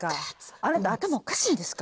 あなた頭おかしいんですか？